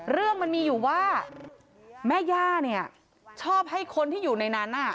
เรื่องมันมีอยู่ว่าแม่ย่าเนี่ยชอบให้คนที่อยู่ในนั้น